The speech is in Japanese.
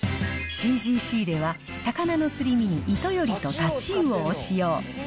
ＣＧＣでは、魚のすり身にイトヨリとタチウオを使用。